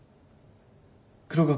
黒川